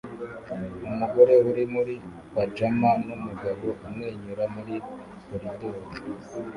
Umugore uri muri pajama numugabo umwenyura muri koridoro